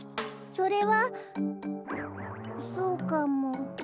それはそうかも。